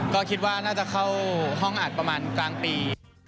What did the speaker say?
ก็คิดว่าน่าจะเข้าห้องอัดประมาณกลางปี